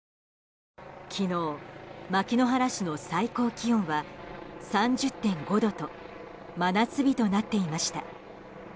昨日、牧之原市の最高気温は３０．５度と真夏日となっていました。